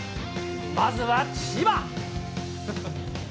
まずは千葉。